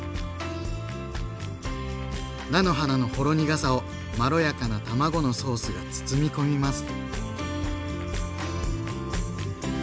菜の花のほろ苦さをまろやかな卵のソースが包み込みます。